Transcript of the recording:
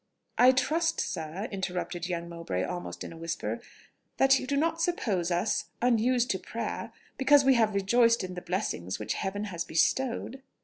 "I trust, sir," interrupted young Mowbray almost in a whisper, "that you do not suppose us unused to prayer, because we have rejoiced in the blessings which Heaven has bestowed?"